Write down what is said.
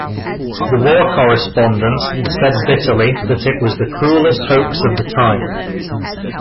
The war correspondents said bitterly that it was the cruelest hoax of the time.